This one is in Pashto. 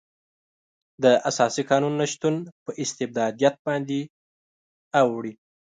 د اساسي قانون نشتون په استبدادیت باندې اوړي.